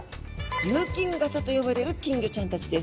琉金型と呼ばれる金魚ちゃんたちです。